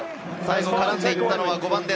最後、絡んでいったのは５番です。